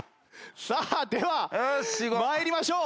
さあでは参りましょう。